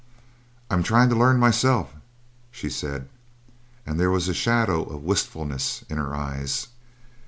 "'I am trying to learn myself,' she said, and there was a shadow of wistfulness in her eyes.